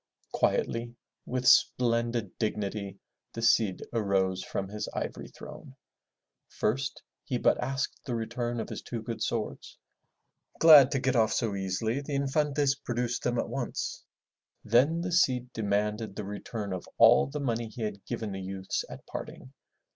Quietly, with splendid dignity, the Cid arose from his ivory throne. First he but asked the return of his two good swords. Glad to get off so easily, the Infantes produced them at once. Then the Cid demanded the return of all the money he had given the youths at parting.